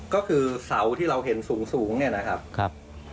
ก็คือเสาที่เราเห็นสูงเนี่ยนะครับ